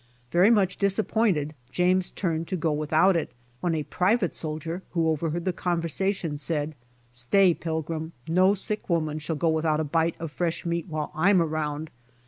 Very much disappointed James turned to go without it, when a private soldier who overheard the conversation said, "Stay, pilgrim, no sick woman shall go without a bite of fresh meat while I'm around.